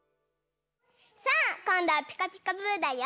さあこんどは「ピカピカブ！」だよ！